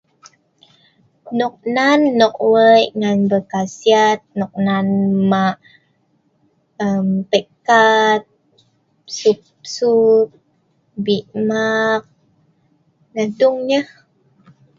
Noknan nok we’ik ngan berkhasiat noknan mak emm.. pe’ik ke’et, sup-sup , bik mmek neh dung nyeh